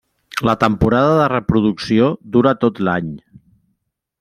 La temporada de reproducció dura tot l'any.